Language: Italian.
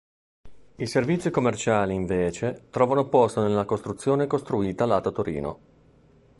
I servizi commerciali invece, trovano posto nella costruzione costruita lato Torino.